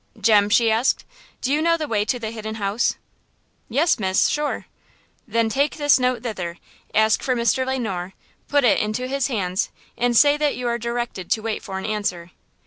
"Jem," she asked, "do you know the way to the Hidden House?" "Yes, miss, sure." "Then take this note thither, ask for Mr. Le Noir, put it into his hands, and say that you are directed to wait for an answer.